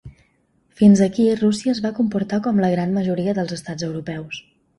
Fins aquí Rússia es va comportar com la gran majoria dels estats europeus.